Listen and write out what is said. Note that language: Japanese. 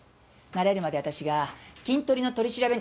慣れるまで私がキントリの取り調べに。